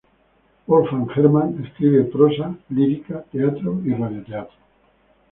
Wolfgang Hermann escribe prosa, lírica, teatro y radioteatro.